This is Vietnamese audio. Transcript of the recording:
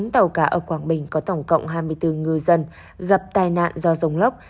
bốn tàu cá ở quảng bình có tổng cộng hai mươi bốn ngư dân gặp tai nạn do rông lốc